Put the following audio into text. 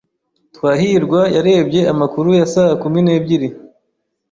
Twahirwa yarebye amakuru ya saa kumi n'ebyiri.